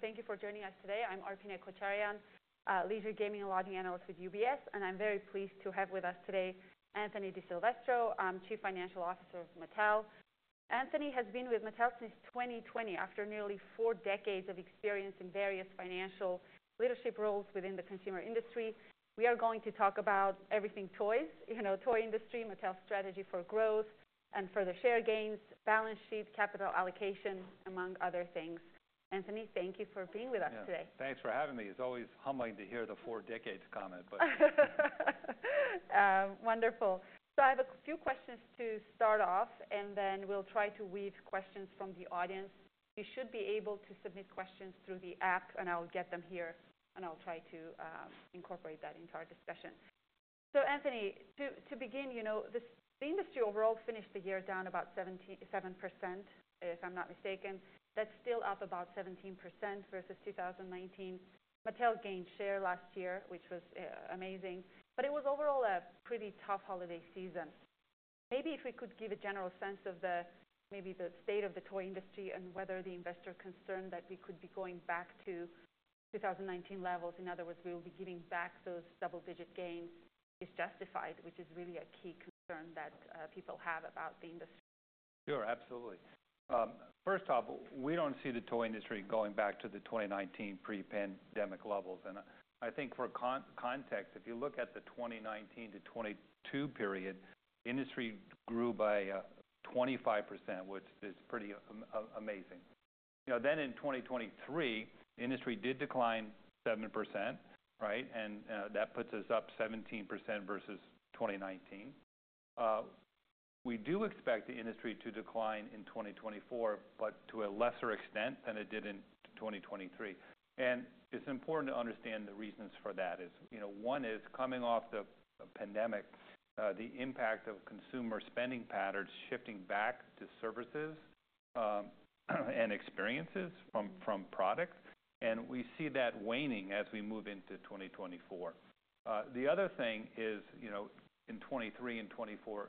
Thank you for joining us today. I'm Arpine Kocharyan, Leisure Gaming and Lodging Analyst with UBS. I'm very pleased to have with us today Anthony DiSilvestro, Chief Financial Officer of Mattel. Anthony has been with Mattel since 2020 after nearly four decades of experience in various financial leadership roles within the consumer industry. We are going to talk about everything toys, you know, toy industry, Mattel's strategy for growth and further share gains, balance sheet, capital allocation, among other things. Anthony, thank you for being with us today. Yeah. Thanks for having me. It's always humbling to hear the four decades comment, but. wonderful. So I have a few questions to start off, and then we'll try to weave questions from the audience. You should be able to submit questions through the app, and I'll get them here, and I'll try to incorporate that into our discussion. So Anthony, to begin, you know, the industry overall finished the year down about 17.7%, if I'm not mistaken. That's still up about 17% versus 2019. Mattel gained share last year, which was amazing. But it was overall a pretty tough holiday season. Maybe if we could give a general sense of the state of the toy industry and whether the investor concern that we could be going back to 2019 levels, in other words, we will be giving back those double-digit gains, is justified, which is really a key concern that people have about the industry. Sure. Absolutely. First off, we don't see the toy industry going back to the 2019 pre-pandemic levels. I think for context, if you look at the 2019-2022 period, the industry grew by 25%, which is pretty amazing. You know, then in 2023, the industry did decline 7%, right? That puts us up 17% versus 2019. We do expect the industry to decline in 2024, but to a lesser extent than it did in 2023. It's important to understand the reasons for that is, you know, one is coming off the pandemic, the impact of consumer spending patterns shifting back to services and experiences from products. We see that waning as we move into 2024. The other thing is, you know, in 2023 and 2024,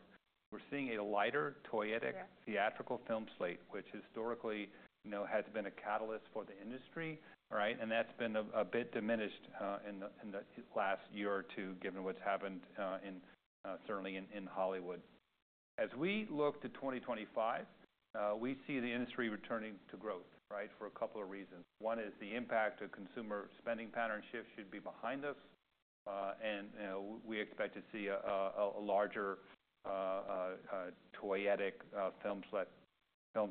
we're seeing a lighter toyetic. Theatrical film slate, which historically, you know, has been a catalyst for the industry, right? And that's been a bit diminished in the last year or two, given what's happened, certainly in Hollywood. As we look to 2025, we see the industry returning to growth, right, for a couple of reasons. One is the impact of consumer spending pattern shift should be behind us. And, you know, we expect to see a larger toyetic film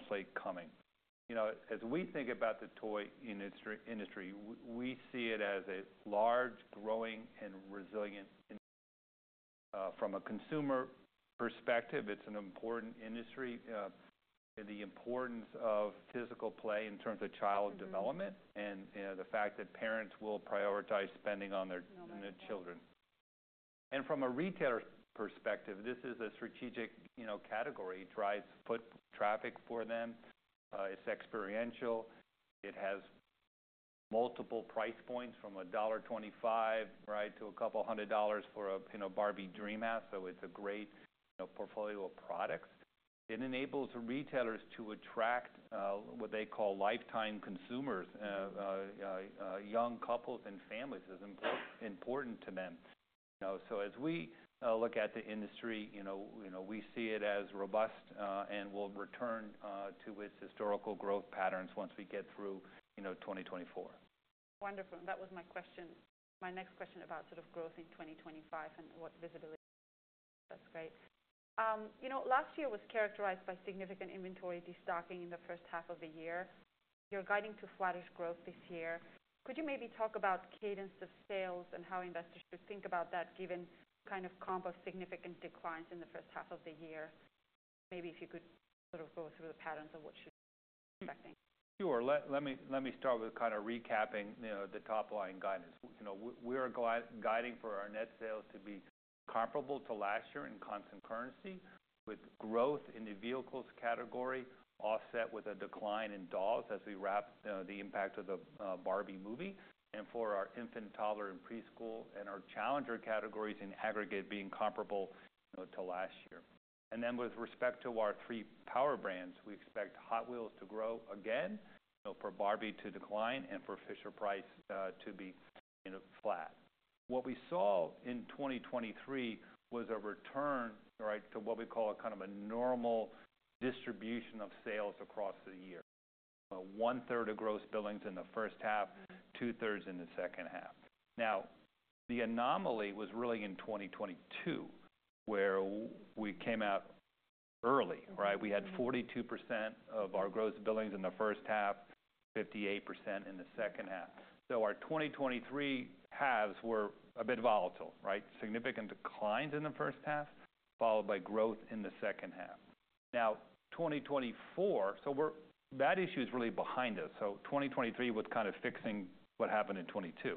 slate coming. You know, as we think about the toy industry, we see it as a large, growing, and resilient industry. From a consumer perspective, it's an important industry, and the importance of physical play in terms of child development. You know, the fact that parents will prioritize spending on their. On their children. From a retailer perspective, this is a strategic, you know, category. It drives foot traffic for them. It's experiential. It has multiple price points from $1.25, right, to a couple hundred dollars for a, you know, Barbie Dreamhouse. It's a great, you know, portfolio of products. It enables retailers to attract, what they call lifetime consumers, young couples and families. It's important to them, you know. As we, look at the industry, you know, you know, we see it as robust, and will return, to its historical growth patterns once we get through, you know, 2024. Wonderful. And that was my question, my next question about sort of growth in 2025 and what visibility. That's great. You know, last year was characterized by significant inventory destocking in the first half of the year. You're guiding to flatter growth this year. Could you maybe talk about cadence of sales and how investors should think about that, given kind of comp of significant declines in the first half of the year? Maybe if you could sort of go through the patterns of what should be expecting. Mm-hmm. Sure. Let me start with kind of recapping, you know, the top-line guidance. You know, we are guiding for our net sales to be comparable to last year in constant currency, with growth in the vehicles category offset with a decline in dolls as we wrap, you know, the impact of the Barbie movie. And for our infant, toddler, and preschool, and our challenger categories in aggregate being comparable, you know, to last year. And then with respect to our three power brands, we expect Hot Wheels to grow again, you know, for Barbie to decline, and for Fisher-Price to be, you know, flat. What we saw in 2023 was a return, right, to what we call a kind of a normal distribution of sales across the year, one-third of gross billings in the first half, two-thirds in the second half. Now, the anomaly was really in 2022, where we came out early, right? We had 42% of our gross billings in the first half, 58% in the second half. So our 2023 halves were a bit volatile, right? Significant declines in the first half, followed by growth in the second half. Now, 2024, so that issue is really behind us. So 2023 was kind of fixing what happened in 2022.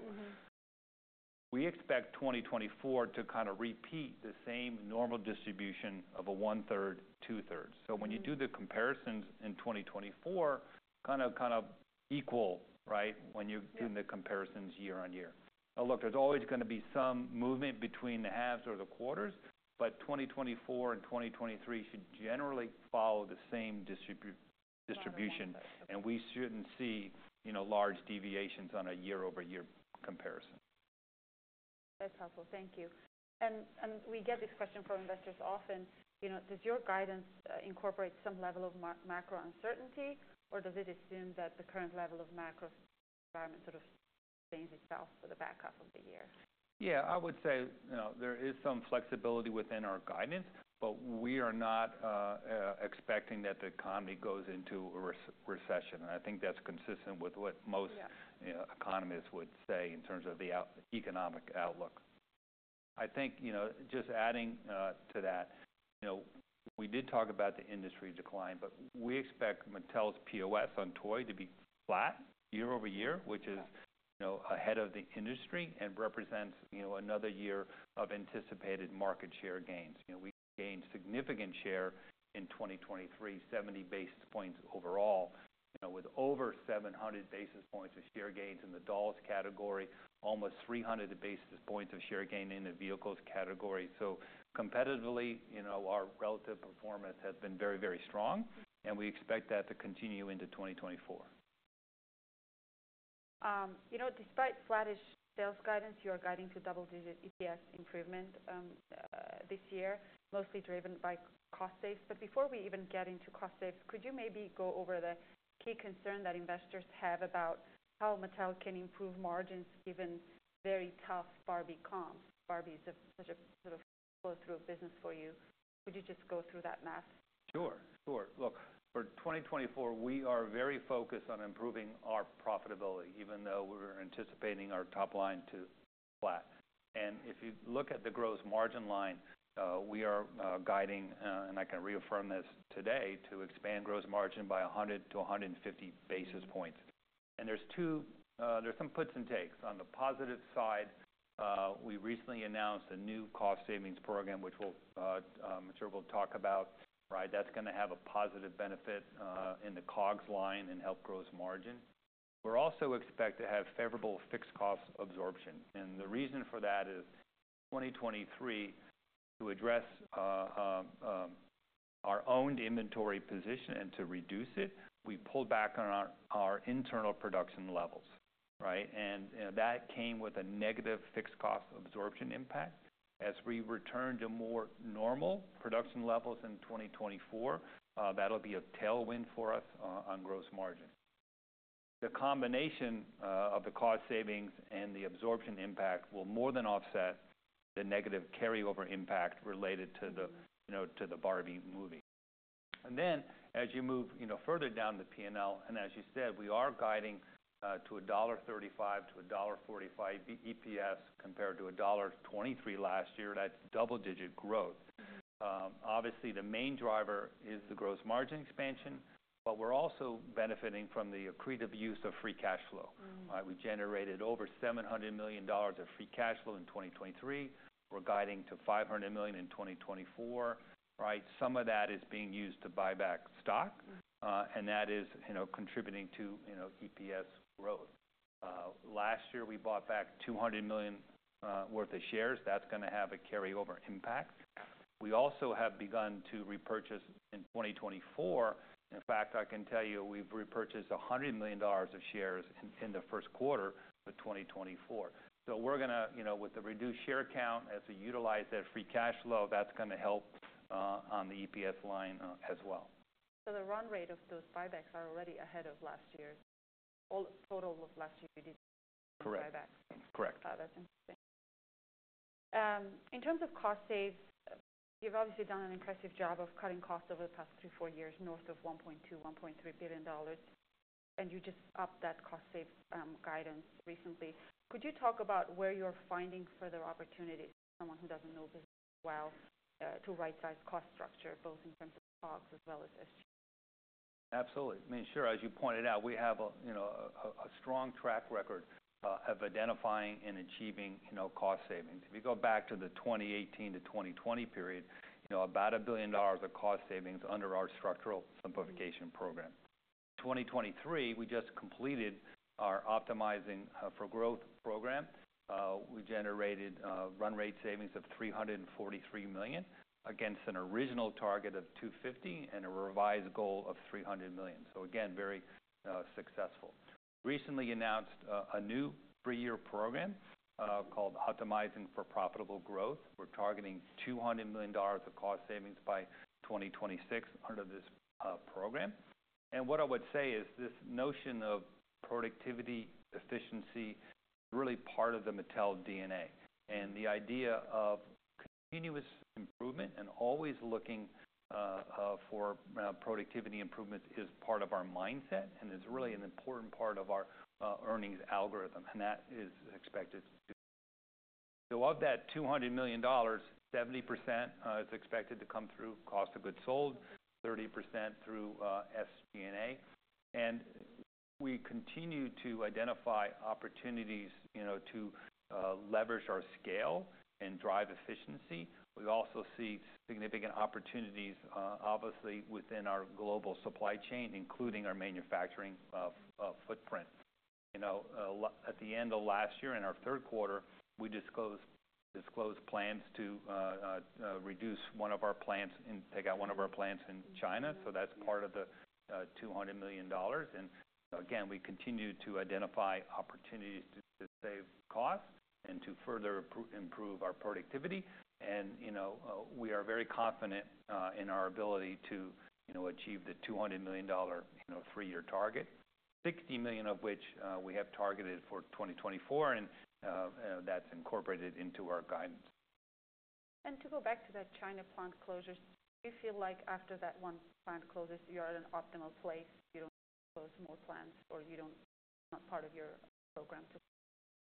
We expect 2024 to kind of repeat the same normal distribution of a 1/3, 2/3. So when you do the comparisons in 2024, kind of equal, right, when you're doing the comparisons year-on-year. Now, look, there's always gonna be some movement between the halves or the quarters, but 2024 and 2023 should generally follow the same distribution. We shouldn't see, you know, large deviations on a year-over-year comparison. That's helpful. Thank you. And we get this question from investors often. You know, does your guidance incorporate some level of macro uncertainty, or does it assume that the current level of macro environment sort of stays itself for the back half of the year? Yeah. I would say, you know, there is some flexibility within our guidance, but we are not expecting that the economy goes into a recession. And I think that's consistent with what most. You know, economists would say in terms of the overall economic outlook. I think, you know, just adding to that, you know, we did talk about the industry decline, but we expect Mattel's POS on toy to be flat year-over-year, which is. You know, ahead of the industry and represents, you know, another year of anticipated market share gains. You know, we gained significant share in 2023, 70 basis points overall, you know, with over 700 basis points of share gains in the dolls category, almost 300 basis points of share gain in the vehicles category. So competitively, you know, our relative performance has been very, very strong, and we expect that to continue into 2024. You know, despite flat-ish sales guidance, you are guiding to double-digit EPS improvement this year, mostly driven by cost saves. But before we even get into cost saves, could you maybe go over the key concern that investors have about how Mattel can improve margins given very tough Barbie comps? Barbie is such a sort of flow-through business for you. Could you just go through that math? Sure. Sure. Look, for 2024, we are very focused on improving our profitability, even though we're anticipating our top line to flat. And if you look at the gross margin line, we are guiding, and I can reaffirm this today, to expand gross margin by 100-150 basis points. And there's two, there's some puts and takes. On the positive side, we recently announced a new cost savings program, which we'll talk about, right? That's gonna have a positive benefit, in the COGS line and help gross margin. We're also expected to have favorable fixed cost absorption. And the reason for that is 2023, to address our owned inventory position and to reduce it, we pulled back on our internal production levels, right? And, you know, that came with a negative fixed cost absorption impact. As we return to more normal production levels in 2024, that'll be a tailwind for us on gross margin. The combination of the cost savings and the absorption impact will more than offset the negative carryover impact related to the, you know, to the Barbie movie. And then as you move, you know, further down the P&L, and as you said, we are guiding to $1.35-$1.45 EPS compared to $1.23 last year. That's double-digit growth. Obviously, the main driver is the gross margin expansion, but we're also benefiting from the accretive use of free cash flow, right? We generated over $700 million of free cash flow in 2023. We're guiding to $500 million in 2024, right? Some of that is being used to buy back stock. That is, you know, contributing to, you know, EPS growth. Last year, we bought back $200 million worth of shares. That's gonna have a carryover impact. We also have begun to repurchase in 2024. In fact, I can tell you, we've repurchased $100 million of shares in the first quarter of 2024. So we're gonna, you know, with the reduced share count as we utilize that free cash flow, that's gonna help, on the EPS line, as well. The run rate of those buybacks are already ahead of last year's all total of last year you did. Correct. Buybacks. Correct. That's interesting. In terms of cost savings, you've obviously done an impressive job of cutting costs over the past three, four years, north of $1.2-$1.3 billion. You just upped that cost savings guidance recently. Could you talk about where you're finding further opportunities for someone who doesn't know the business as well, to right-size cost structure, both in terms of COGS as well as SG? Absolutely. I mean, sure. As you pointed out, we have a, you know, a strong track record of identifying and achieving, you know, cost savings. If you go back to the 2018-2020 period, you know, about $1 billion of cost savings under our Structural Simplification program. In 2023, we just completed our Optimizing for Growth program. We generated run-rate savings of $343 million against an original target of $250 million and a revised goal of $300 million. So again, very successful. We recently announced a new three-year program, called Optimizing for Profitable Growth. We're targeting $200 million of cost savings by 2026. Of this program. And what I would say is this notion of productivity, efficiency is really part of the Mattel DNA. The idea of continuous improvement and always looking for productivity improvements is part of our mindset and is really an important part of our earnings algorithm. That is expected to. So of that $200 million, 70% is expected to come through cost of goods sold, 30% through SG&A. We continue to identify opportunities, you know, to leverage our scale and drive efficiency. We also see significant opportunities, obviously, within our global supply chain, including our manufacturing footprint. You know, at the end of last year, in our third quarter, we disclosed plans to reduce one of our plants and take out one of our plants in China. So that's part of the $200 million. And again, we continue to identify opportunities to save costs and to further improve our productivity. You know, we are very confident in our ability to, you know, achieve the $200 million, you know, three-year target, $60 million of which we have targeted for 2024. That's incorporated into our guidance. And to go back to that China plant closures, do you feel like after that one plant closes, you are in an optimal place? You don't close more plants or you don't. It's not part of your program to.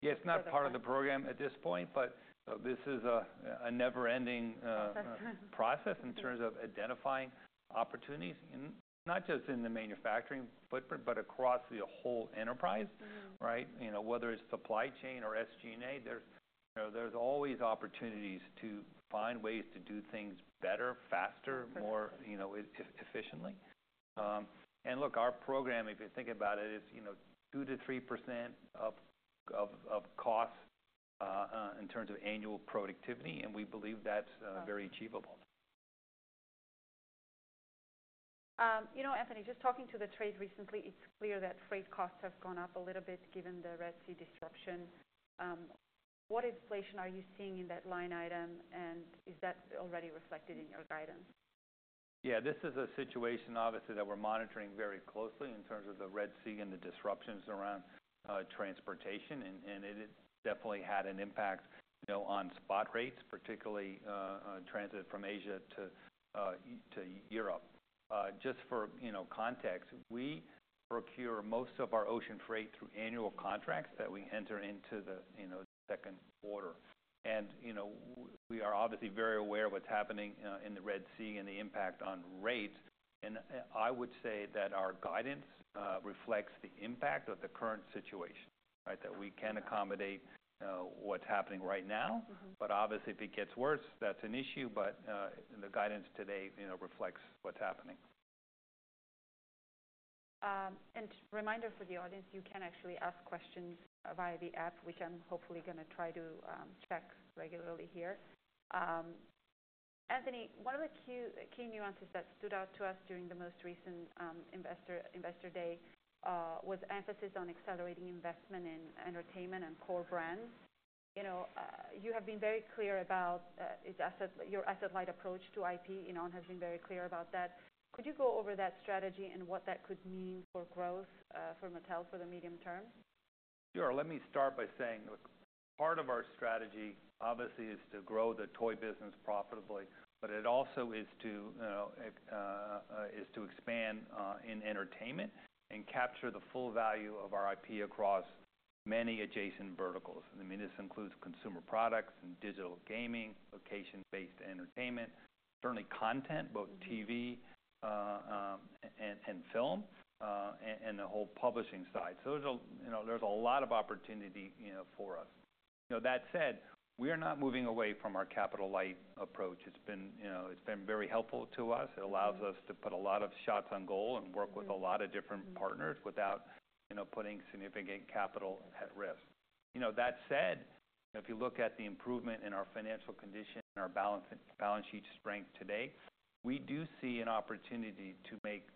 Yeah. It's not part of the program at this point, but this is a never-ending, Process. Process in terms of identifying opportunities, and not just in the manufacturing footprint, but across the whole enterprise. Right? You know, whether it's supply chain or SG&A, there's, you know, there's always opportunities to find ways to do things better, faster, more, you know, efficiently. And look, our program, if you think about it, is, you know, 2%-3% of costs, in terms of annual productivity. And we believe that's very achievable. You know, Anthony, just talking to the trade recently, it's clear that freight costs have gone up a little bit given the Red Sea disruption. What inflation are you seeing in that line item, and is that already reflected in your guidance? Yeah. This is a situation, obviously, that we're monitoring very closely in terms of the Red Sea and the disruptions around transportation. And it definitely had an impact, you know, on spot rates, particularly transit from Asia to Europe. Just for, you know, context, we procure most of our ocean freight through annual contracts that we enter into the, you know, second quarter. And, you know, we are obviously very aware of what's happening in the Red Sea and the impact on rates. And I would say that our guidance reflects the impact of the current situation, right, that we can accommodate what's happening right now. But obviously, if it gets worse, that's an issue. But, the guidance today, you know, reflects what's happening. Reminder for the audience, you can actually ask questions via the app, which I'm hopefully gonna try to check regularly here. Anthony, one of the key nuances that stood out to us during the most recent investor day was emphasis on accelerating investment in entertainment and core brands. You know, you have been very clear about your asset-light approach to IP. Ynon has been very clear about that. Could you go over that strategy and what that could mean for growth for Mattel for the medium term? Sure. Let me start by saying, look, part of our strategy, obviously, is to grow the toy business profitably, but it also is to, you know, it is to expand in entertainment and capture the full value of our IP across many adjacent verticals. I mean, this includes consumer products and digital gaming, location-based entertainment, certainly content, both TV. film and the whole publishing side. So there's a, you know, there's a lot of opportunity, you know, for us. You know, that said, we are not moving away from our capital-light approach. It's been, you know, very helpful to us. It allows us to put a lot of shots on goal and work with a lot of different partners without, you know, putting significant capital at risk. You know, that said, you know, if you look at the improvement in our financial condition, our balance sheet strength today, we do see an opportunity to make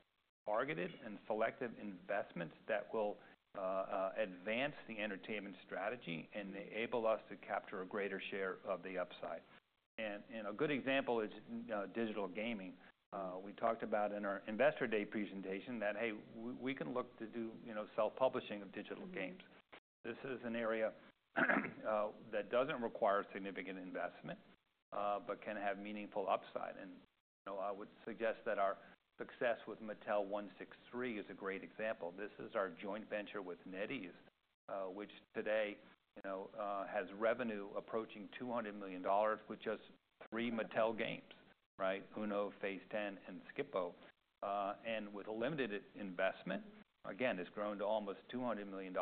targeted and selective investments that will advance the entertainment strategy and enable us to capture a greater share of the upside. A good example is, you know, digital gaming. We talked about in our investor day presentation that, hey, we can look to do, you know, self-publishing of digital games. This is an area that doesn't require significant investment, but can have meaningful upside. And, you know, I would suggest that our success with Mattel163 is a great example. This is our joint venture with NetEase, which today, you know, has revenue approaching $200 million with just three Mattel games, right, UNO, Phase 10, and Skip-Bo. And with limited investment, again, it's grown to almost $200 million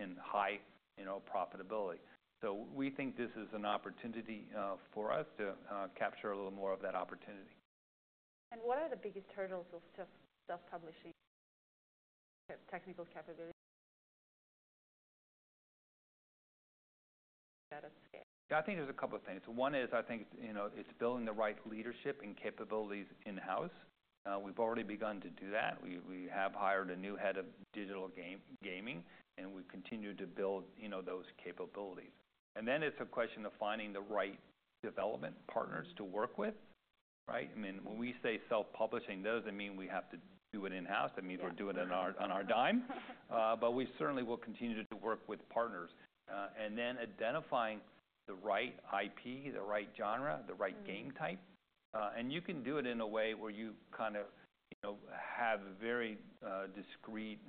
in high, you know, profitability. So we think this is an opportunity for us to capture a little more of that opportunity. What are the biggest hurdles of self-publishing technical capabilities at its scale? Yeah. I think there's a couple of things. One is, I think, you know, it's building the right leadership and capabilities in-house. We've already begun to do that. We, we have hired a new head of digital game-gaming, and we continue to build, you know, those capabilities. And then it's a question of finding the right development partners to work with, right? I mean, when we say self-publishing, that doesn't mean we have to do it in-house. That means we're doing it on our on our dime. But we certainly will continue to work with partners. And then identifying the right IP, the right genre, the right game type. You can do it in a way where you kind of, you know, have very discrete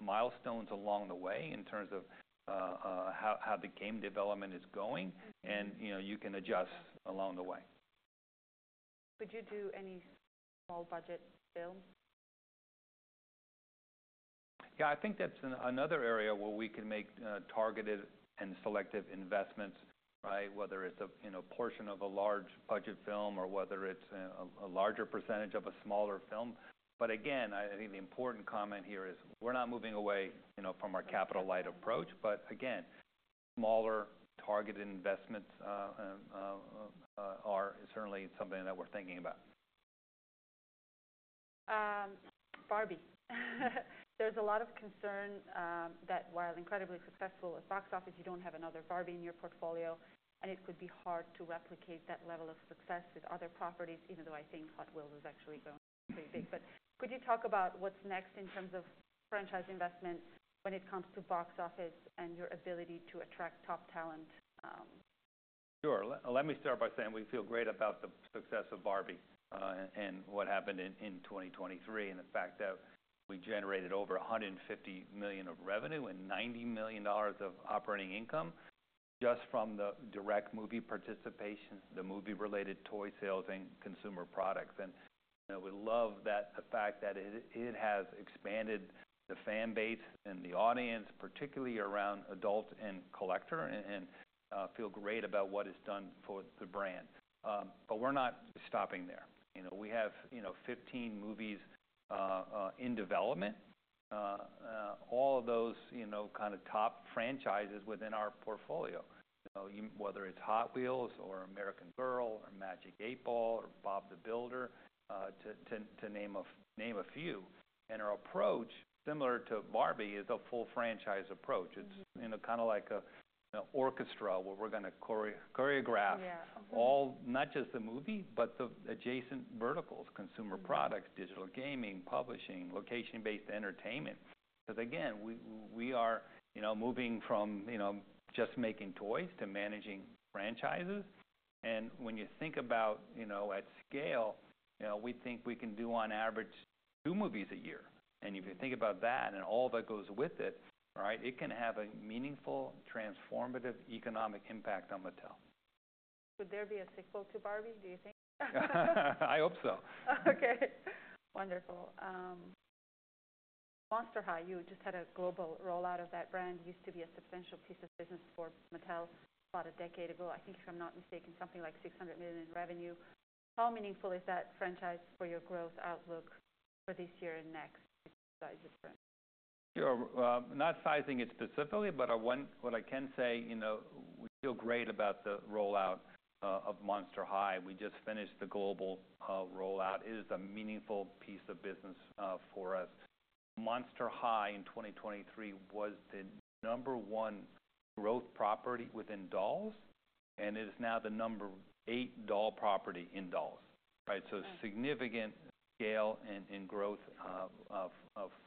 milestones along the way in terms of how the game development is going. You know, you can adjust along the way. Could you do any small-budget films? Yeah. I think that's another area where we can make targeted and selective investments, right, whether it's a, you know, portion of a large-budget film or whether it's a larger percentage of a smaller film. But again, I think the important comment here is we're not moving away, you know, from our capital-light approach. But again, smaller, targeted investments are certainly something that we're thinking about. Barbie. There's a lot of concern, that while incredibly successful at box office, you don't have another Barbie in your portfolio, and it could be hard to replicate that level of success with other properties, even though I think Hot Wheels is actually going pretty big. But could you talk about what's next in terms of franchise investment when it comes to box office and your ability to attract top talent? Sure. Let me start by saying we feel great about the success of Barbie, and what happened in 2023 and the fact that we generated over $150 million of revenue and $90 million of operating income just from the direct movie participation, the movie-related toy sales, and consumer products. And, you know, we love the fact that it has expanded the fan base and the audience, particularly around adult and collector, and feel great about what is done for the brand. But we're not stopping there. You know, we have, you know, 15 movies in development, all of those, you know, kind of top franchises within our portfolio. You know, whether it's Hot Wheels or American Girl or Magic 8 Ball or Bob the Builder, to name a few. And our approach, similar to Barbie, is a full franchise approach. It's, you know, kind of like a, you know, orchestra where we're gonna choreograph. All, not just the movie, but the adjacent verticals: consumer products, digital gaming, publishing, location-based entertainment. Because again, we are, you know, moving from, you know, just making toys to managing franchises. And when you think about, you know, at scale, you know, we think we can do, on average, two movies a year. And if you think about that and all that goes with it, right, it can have a meaningful, transformative economic impact on Mattel. Would there be a sequel to Barbie, do you think? I hope so. Okay. Wonderful. Monster High, you just had a global rollout of that brand. It used to be a substantial piece of business for Mattel about a decade ago, I think, if I'm not mistaken, something like $600 million in revenue. How meaningful is that franchise for your growth outlook for this year and next if you size it differently? Sure. Not sizing it specifically, but I want what I can say, you know, we feel great about the rollout of Monster High. We just finished the global rollout. It is a meaningful piece of business for us. Monster High in 2023 was the number one growth property within dolls, and it is now the number eight doll property in dolls, right? So significant scale and growth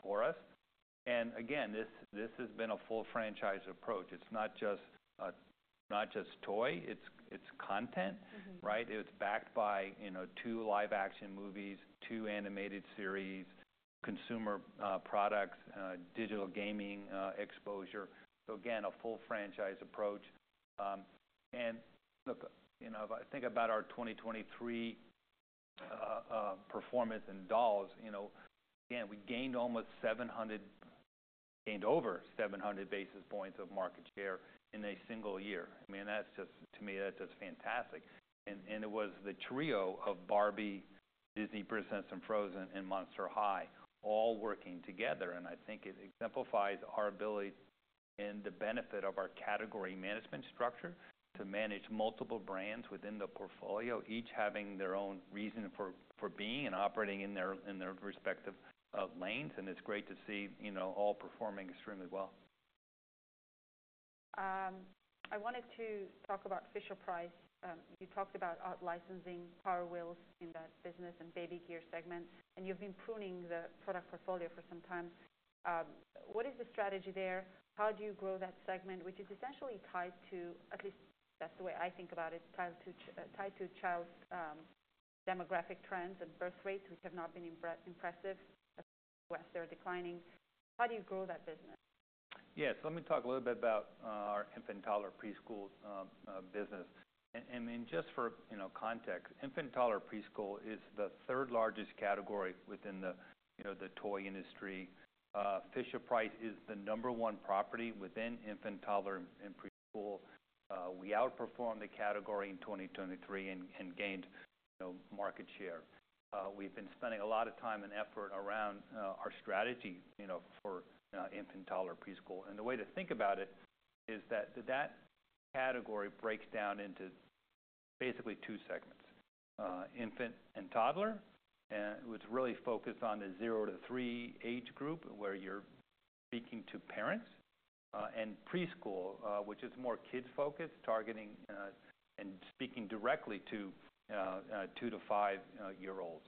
for us. And again, this has been a full franchise approach. It's not just toy. It's content. Right? It's backed by, you know, two live-action movies, two animated series, consumer products, digital gaming exposure. So again, a full franchise approach. And look, you know, if I think about our 2023 performance in dolls, you know, again, we gained over 700 basis points of market share in a single year. I mean, that's just to me, that's just fantastic. And it was the trio of Barbie, Disney Princess and Frozen, and Monster High all working together. And I think it exemplifies our ability and the benefit of our category management structure to manage multiple brands within the portfolio, each having their own reason for being and operating in their respective lanes. And it's great to see, you know, all performing extremely well. I wanted to talk about Fisher-Price. You talked about out licensing, Power Wheels in that business, and baby gear segment. And you've been pruning the product portfolio for some time. What is the strategy there? How do you grow that segment, which is essentially tied to at least that's the way I think about it, tied to children's demographic trends and birth rates, which have not been impressive across the U.S. They're declining. How do you grow that business? Yeah. So let me talk a little bit about our infant-toddler preschool business. And then just for, you know, context, infant-toddler preschool is the third-largest category within the, you know, the toy industry. Fisher-Price is the number one property within infant-toddler and preschool. We outperformed the category in 2023 and gained, you know, market share. We've been spending a lot of time and effort around our strategy, you know, for infant-toddler preschool. And the way to think about it is that that category breaks down into basically two segments, infant and toddler, and it was really focused on the 0-3 age group where you're speaking to parents, and preschool, which is more kids-focused, targeting, and speaking directly to 2-5-year-olds.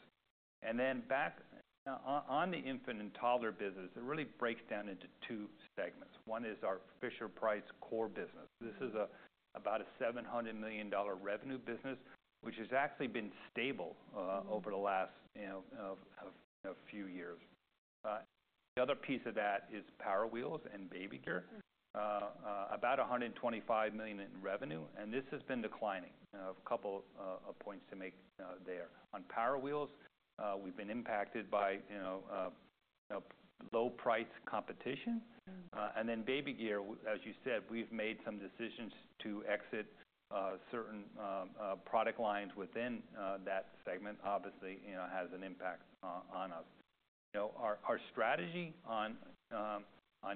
And then back on the infant and toddler business, it really breaks down into two segments. One is our Fisher-Price core business. This is about a $700 million revenue business, which has actually been stable over the last, you know, few years. The other piece of that is Power Wheels and baby gear. About $125 million in revenue. This has been declining. You know, a couple of points to make there. On Power Wheels, we've been impacted by, you know, you know, low-priced competition. And then baby gear, as you said, we've made some decisions to exit certain product lines within that segment, obviously. You know, that has an impact on us. You know, our strategy on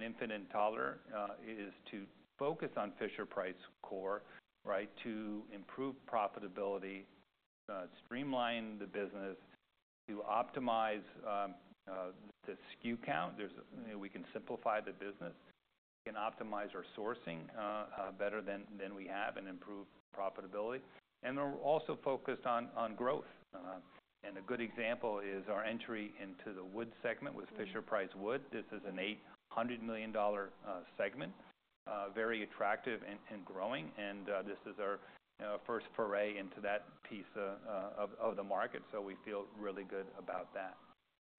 infant and toddler is to focus on Fisher-Price core, right, to improve profitability, streamline the business, to optimize the SKU count. There's, you know, we can simplify the business. We can optimize our sourcing better than we have and improve profitability. And we're also focused on growth. A good example is our entry into the wood segment with Fisher-Price Wood. This is an $800 million segment, very attractive and growing. And this is our, you know, first foray into that piece of the market. So we feel really good about that.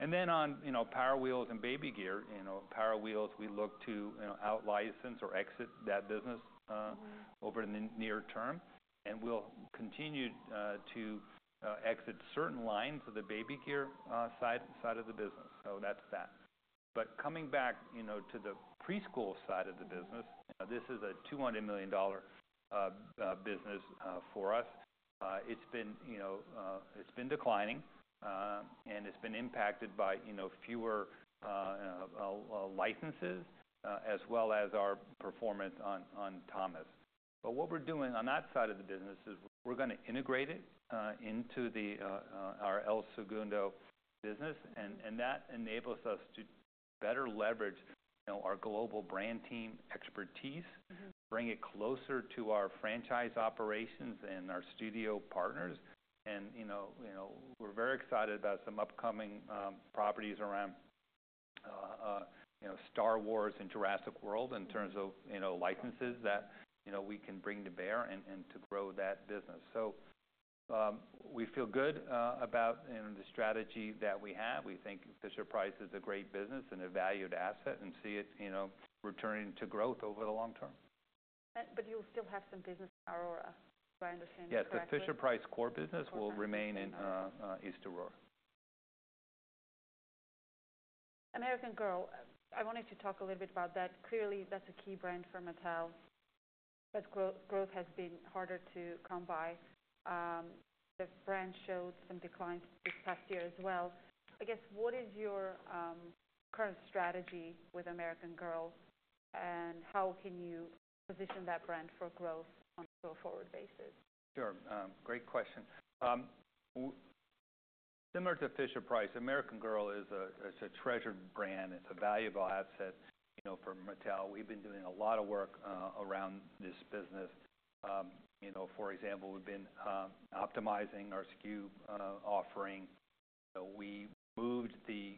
And then on, you know, Power Wheels and baby gear, you know, Power Wheels, we look to, you know, out-license or exit that business, over the near term. And we'll continue to exit certain lines of the baby gear side of the business. So that's that. But coming back, you know, to the preschool side of the business, you know, this is a $200 million business for us. It's been, you know, declining, and it's been impacted by, you know, fewer licenses, as well as our performance on Thomas. But what we're doing on that side of the business is we're gonna integrate it into our El Segundo business. And that enables us to better leverage, you know, our global brand team expertise. Bring it closer to our franchise operations and our studio partners. And, you know, you know, we're very excited about some upcoming properties around, you know, Star Wars and Jurassic World in terms of, you know, licenses that, you know, we can bring to bear and, and to grow that business. So, we feel good about, you know, the strategy that we have. We think Fisher-Price is a great business and a valued asset and see it, you know, returning to growth over the long term. But you'll still have some business in Aurora, if I understand this correctly. Yes. The Fisher-Price core business will remain in East Aurora. American Girl, I wanted to talk a little bit about that. Clearly, that's a key brand for Mattel, but growth, growth has been harder to come by. The brand showed some declines this past year as well. I guess, what is your current strategy with American Girl, and how can you position that brand for growth on a go forward basis? Sure. Great question. It's similar to Fisher-Price, American Girl is. It's a treasured brand. It's a valuable asset, you know, for Mattel. We've been doing a lot of work around this business. You know, for example, we've been optimizing our SKU offering. You know, we moved the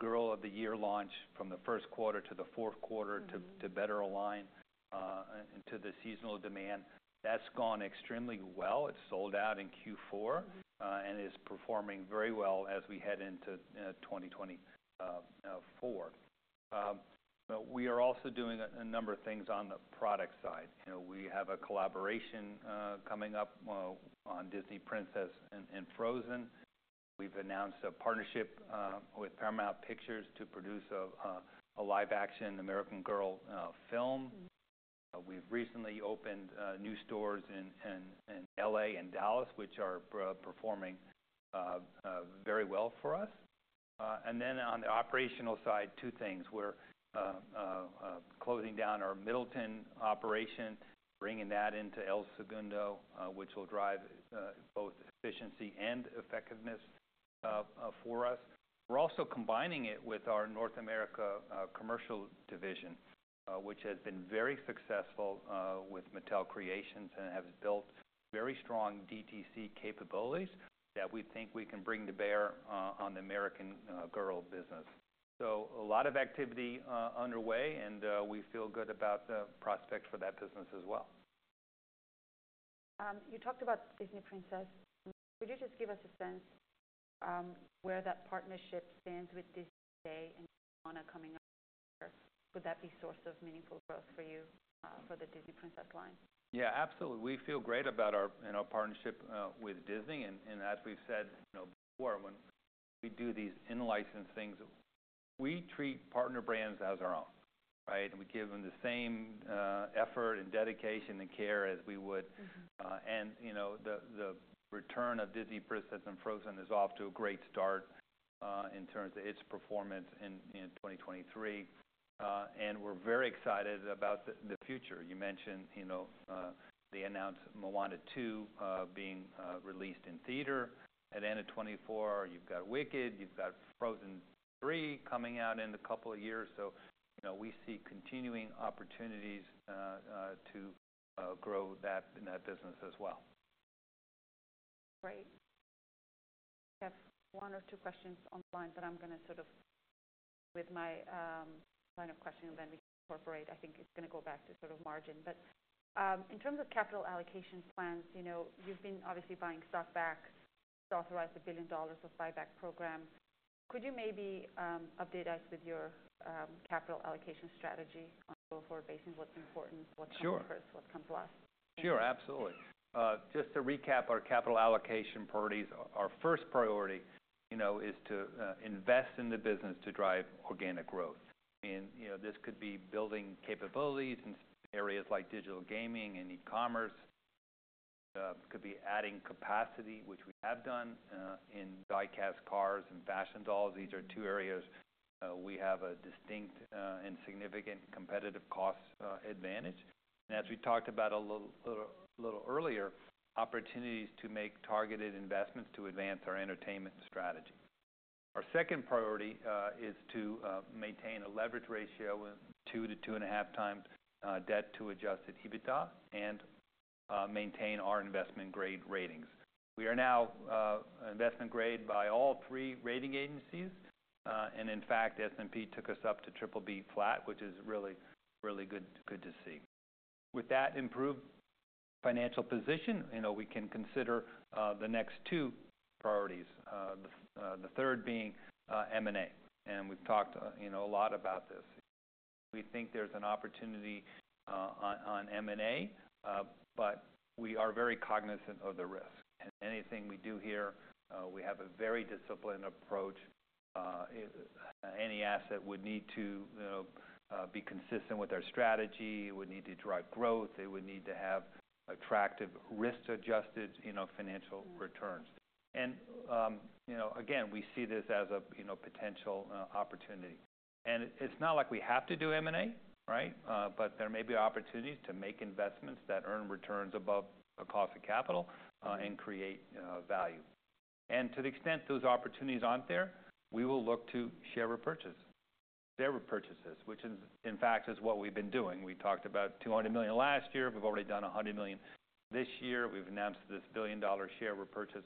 Girl of the Year launch from the first quarter to the fourth quarter to better align and to the seasonal demand. That's gone extremely well. It's sold out in Q4 and is performing very well as we head into 2020 forward. But we are also doing a number of things on the product side. You know, we have a collaboration coming up on Disney Princess and Frozen. We've announced a partnership with Paramount Pictures to produce a live-action American Girl film. We've recently opened new stores in LA and Dallas, which are performing very well for us. And then on the operational side, two things. We're closing down our Middleton operation, bringing that into El Segundo, which will drive both efficiency and effectiveness for us. We're also combining it with our North America commercial division, which has been very successful, with Mattel Creations and has built very strong DTC capabilities that we think we can bring to bear on the American Girl business. So a lot of activity underway, and we feel good about the prospects for that business as well. You talked about Disney Princess. Could you just give us a sense, where that partnership stands with Disney today and Moana coming up? Would that be a source of meaningful growth for you, for the Disney Princess line? Yeah. Absolutely. We feel great about our, you know, partnership with Disney. And, and as we've said, you know, before, when we do these in-license things, we treat partner brands as our own, right? And we give them the same effort and dedication and care as we would. You know, the return of Disney Princess and Frozen is off to a great start, in terms of its performance in 2023. We're very excited about the future. You mentioned, you know, the announced Moana 2 being released in theater at the end of 2024. You've got Wicked. You've got Frozen 3 coming out in a couple of years. So, you know, we see continuing opportunities to grow that in that business as well. Great. We have one or two questions on the line, but I'm gonna sort of with my line of questioning, then we can incorporate. I think it's gonna go back to sort of margin. But in terms of capital allocation plans, you know, you've been obviously buying stock buybacks. It's authorized a $1 billion buyback program. Could you maybe update us with your capital allocation strategy on a go forward basis? What's important? What comes first? What comes last? Sure. Absolutely. Just to recap our capital allocation priorities, our first priority, you know, is to invest in the business to drive organic growth. I mean, you know, this could be building capabilities in areas like digital gaming and e-commerce. It could be adding capacity, which we have done, in die-cast cars and fashion dolls. These are two areas we have a distinct and significant competitive cost advantage. And as we talked about a little earlier, opportunities to make targeted investments to advance our entertainment strategy. Our second priority is to maintain a leverage ratio of 2-2.5x debt to Adjusted EBITDA and maintain our investment-grade ratings. We are now investment-grade by all three rating agencies. And in fact, S&P took us up to triple-B flat, which is really good to see. With that improved financial position, you know, we can consider the next two priorities, the third being M&A. We've talked, you know, a lot about this. We think there's an opportunity on M&A, but we are very cognizant of the risk. Anything we do here, we have a very disciplined approach. It, any asset would need to, you know, be consistent with our strategy. It would need to drive growth. It would need to have attractive risk-adjusted, you know, financial returns. You know, again, we see this as a, you know, potential opportunity. It's not like we have to do M&A, right? But there may be opportunities to make investments that earn returns above the cost of capital, and create value. And to the extent those opportunities aren't there, we will look to share repurchase, share repurchases, which is, in fact, what we've been doing. We talked about $200 million last year. We've already done $100 million this year. We've announced this $1 billion share repurchase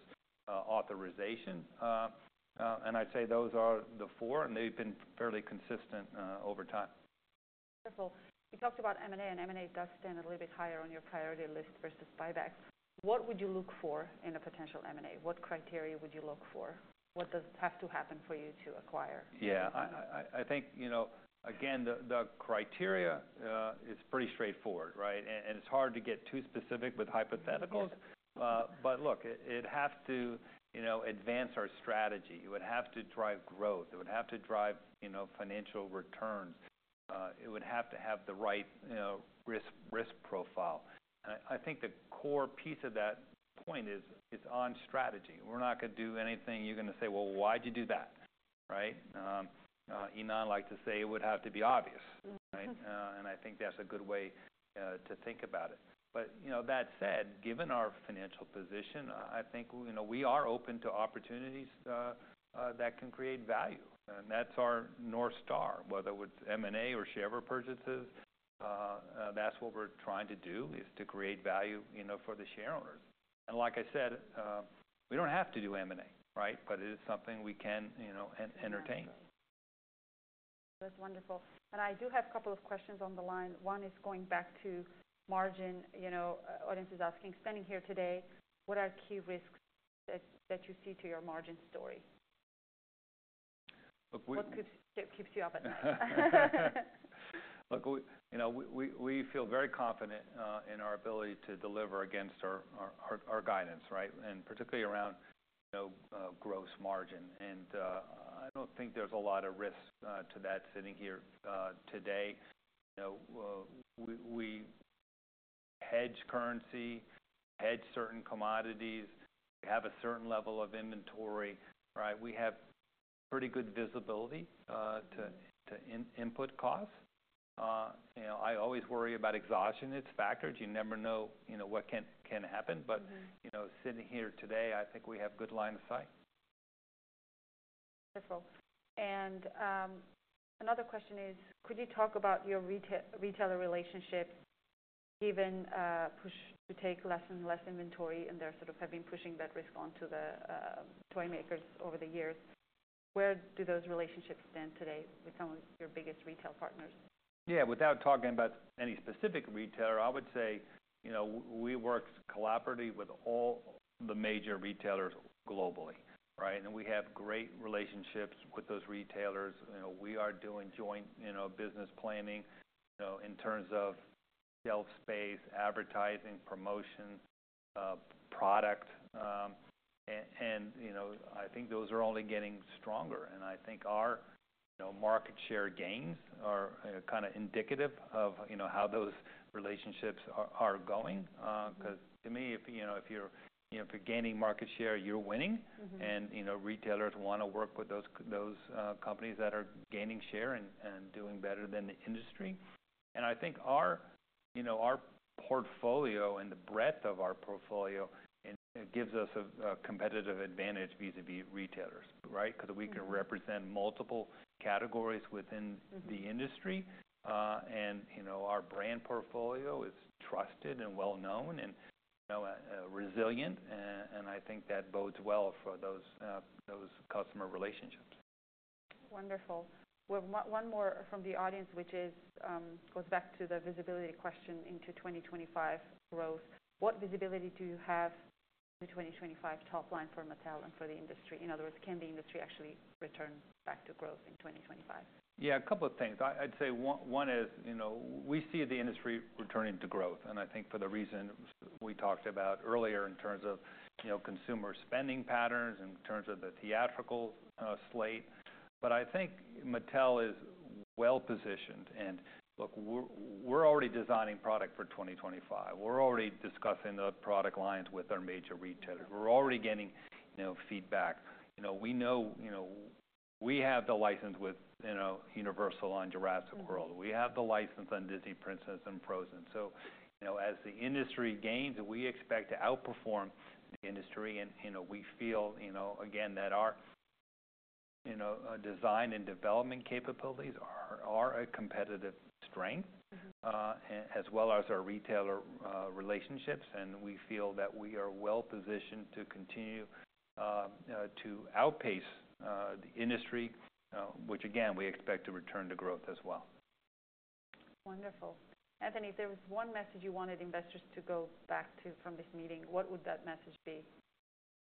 authorization, and I'd say those are the four, and they've been fairly consistent over time. Wonderful. You talked about M&A, and M&A does stand a little bit higher on your priority list versus buybacks. What would you look for in a potential M&A? What criteria would you look for? What does have to happen for you to acquire? Yeah. I think, you know, again, the criteria is pretty straightforward, right? And it's hard to get too specific with hypotheticals. But look, it has to, you know, advance our strategy. It would have to drive growth. It would have to drive, you know, financial returns. It would have to have the right, you know, risk profile. And I think the core piece of that point is on strategy. We're not gonna do anything you're gonna say, "Well, why'd you do that?" Right? Ynon liked to say it would have to be obvious, right? I think that's a good way to think about it. But you know, that said, given our financial position, I think you know, we are open to opportunities that can create value. And that's our North Star, whether it's M&A or share repurchases. That's what we're trying to do, is to create value you know, for the shareholders. And like I said, we don't have to do M&A, right? But it is something we can you know, entertain. Okay. That's wonderful. I do have a couple of questions on the line. One is going back to margin. You know, audience is asking, standing here today, what are key risks that you see to your margin story? What keeps you up at night? Look, we, you know, we feel very confident in our ability to deliver against our guidance, right? And particularly around, you know, gross margin. And, I don't think there's a lot of risk to that sitting here today. You know, we hedge currency, hedge certain commodities. We have a certain level of inventory, right? We have pretty good visibility to input costs. You know, I always worry about external factors. You never know, you know, what can happen. But, you know, sitting here today, I think we have good line of sight. Wonderful. Another question is, could you talk about your retail, retailer relationships, given push to take less and less inventory and they're sort of have been pushing that risk onto the toy makers over the years? Where do those relationships stand today with some of your biggest retail partners? Yeah. Without talking about any specific retailer, I would say, you know, we work collaboratively with all the major retailers globally, right? And we have great relationships with those retailers. You know, we are doing joint, you know, business planning, you know, in terms of shelf space, advertising, promotion, product, and, and, you know, I think those are only getting stronger. And I think our, you know, market share gains are, kinda indicative of, you know, how those relationships are going. 'Cause to me, if you know, if you're, you know, if you're gaining market share, you're winning. You know, retailers wanna work with those companies that are gaining share and doing better than the industry. I think our, you know, our portfolio and the breadth of our portfolio, it gives us a competitive advantage vis-à-vis retailers, right? 'Cause we can represent multiple categories within the industry. You know, our brand portfolio is trusted and well-known and, you know, resilient. I think that bodes well for those customer relationships. Wonderful. We have one more from the audience, which is, goes back to the visibility question into 2025 growth. What visibility do you have into 2025 top line for Mattel and for the industry? In other words, can the industry actually return back to growth in 2025? Yeah. A couple of things. I'd say one is, you know, we see the industry returning to growth. And I think for the reason we talked about earlier in terms of, you know, consumer spending patterns and in terms of the theatrical slate. But I think Mattel is well-positioned. And look, we're already designing product for 2025. We're already discussing the product lines with our major retailers. We're already getting, you know, feedback. You know, we know, you know, we have the license with, you know, Universal on Jurassic World. We have the license on Disney Princess and Frozen. So, you know, as the industry gains, we expect to outperform the industry. And, you know, we feel, you know, again, that our, you know, design and development capabilities are a competitive strength. As well as our retailer relationships. And we feel that we are well-positioned to continue to outpace the industry, which, again, we expect to return to growth as well. Wonderful. Anthony, if there was one message you wanted investors to go back to from this meeting, what would that message be?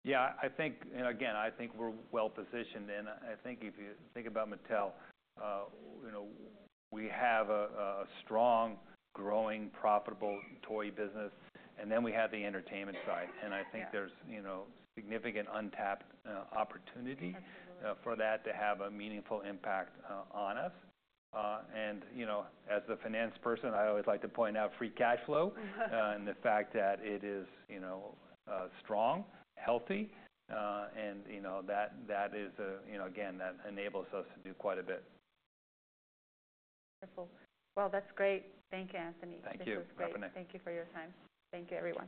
Yeah. I think, and again, I think we're well-positioned. And I think if you think about Mattel, you know, we have a strong, growing, profitable toy business. And then we have the entertainment side. And I think there's, you know, significant untapped opportunity for that to have a meaningful impact on us. And, you know, as the finance person, I always like to point out Free Cash Flow, and the fact that it is, you know, strong, healthy. And, you know, that, that is a, you know, again, that enables us to do quite a bit. Wonderful. Well, that's great. Thank you, Anthony. Thank you. Arpine. This was great. Thank you for your time. Thank you, everyone.